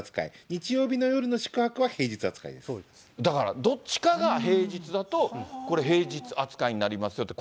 土曜日の夜の宿泊は休日扱い、だから、どっちかが平日だと、これ、平日扱いになりますよと。